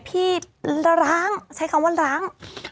พี่ระร้างใช้คำว่าร้าง